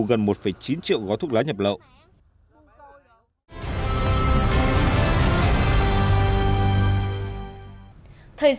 gần một chín triệu gói thuốc lá nhập lậu